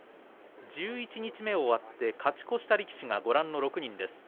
十一日目を終わって勝ち越した力士が６人です。